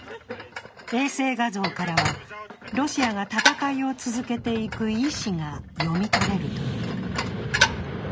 衛星画像からは、ロシアが戦いを続けていく意思が読み取れるという。